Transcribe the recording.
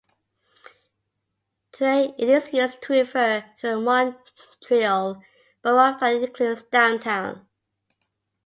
Today it is used to refer to the Montreal borough that includes downtown.